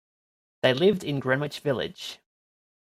They lived in Greenwich Village.